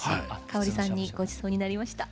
かおりさんにごちそうになりました。